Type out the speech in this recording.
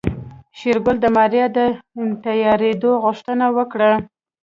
شېرګل د ماريا د تيارېدو غوښتنه وکړه.